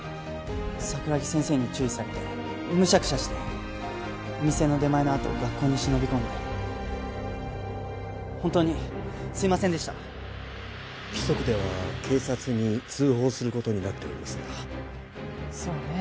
桜木先生に注意されてむしゃくしゃして店の出前のあと学校に忍び込んで本当にすいませんでした規則では警察に通報することになっておりますがそうね